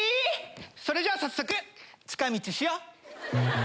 それじゃあ早速近道しよう！